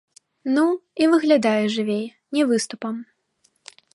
Ну, і выглядае жывей, не выступам.